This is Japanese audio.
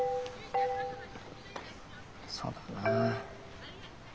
そうだなあ。